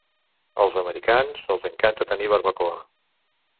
Als americans els encanta tenir barbacoa.